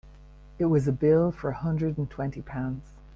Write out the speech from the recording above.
It was a bill for a hundred and twenty pounds.